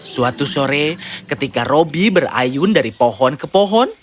suatu sore ketika roby berayun dari pohon ke pohon